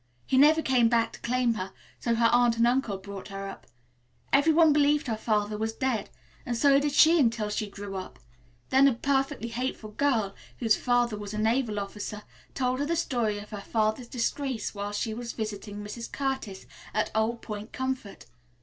He never came back to claim her, so her aunt and uncle brought her up. Every one believed her father was dead, and so did she until she grew up; then a perfectly hateful girl, whose father was a naval officer, told her the story of her father's disgrace while she was visiting Mrs. Curtis at Old Point Comfort.